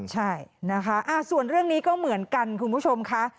ใช่นะคะส่วนเรื่องนี้ก็เหมือนกันคุณผู้ชมค่ะ